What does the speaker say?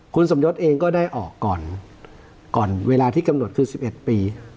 คุณสมยศเองก็ได้ออกก่อนก่อนเวลาที่กำหนดคือ๑๑ปี